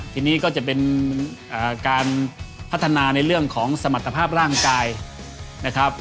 ทีนี้ก็จะเป็นการพัฒนาในเรื่องของสมรรถภาพร่างกายนะครับ